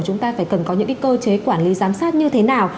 chúng ta phải cần có những cơ chế quản lý giám sát như thế nào